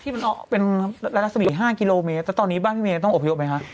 ที่มันเป็นลักษณะ๕กิโลเมตรแต่ตอนนี้บ้านพี่เมตรต้องอบโยบไหมคะ